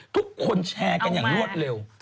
ทุกคนแชร์กันอย่างรวดเร็ว